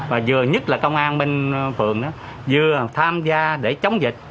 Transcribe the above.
và vừa nhất là công an bên phường vừa tham gia để chống dịch